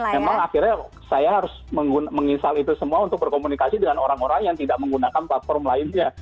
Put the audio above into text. memang akhirnya saya harus menginstal itu semua untuk berkomunikasi dengan orang orang yang tidak menggunakan platform lainnya